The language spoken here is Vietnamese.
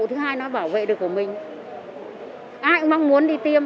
thứ hai nó bảo vệ được của mình ai cũng mong muốn đi tiêm